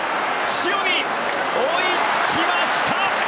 塩見、追いつきました。